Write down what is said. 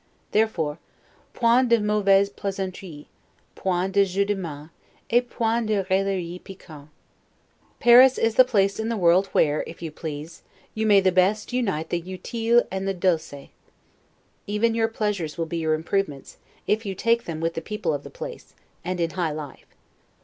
Therefore, 'point de mauvaises plaisanteries, point de jeux de main, et point de raillerie piquante'. Paris is the place in the world where, if you please, you may the best unite the 'utile' and the 'dulce'. Even your pleasures will be your improvements, if you take them with the people of the place, and in high life.